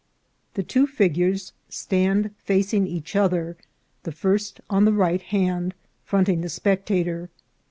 The two figures stand facing each other, the first on the right hand, fronting the spectator.